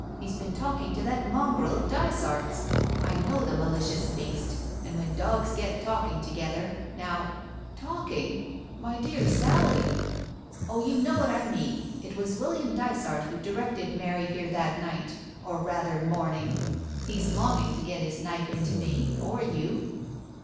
He's been talking to that mongrel of Dysart's — I know the malicious beast — and when dogs get talking together — now " "Talking! My dear Sally !" "Oh, you know what I mean. It was William Dysart who directed Mary here that night, or rather morning. He's longing to get his knife into me — or you."